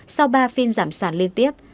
sau ba phiên giảm sản liên tiếp